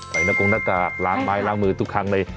หน้ากงหน้ากากล้างไม้ล้างมือทุกครั้งเลย